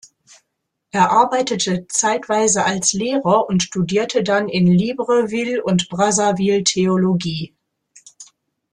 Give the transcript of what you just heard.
Er arbeitete zeitweise als Lehrer und studierte dann in Libreville und Brazzaville Theologie.